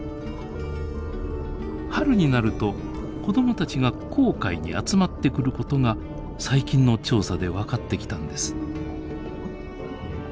春になると子供たちが紅海に集まってくることが最近の調査で分かってきたんです。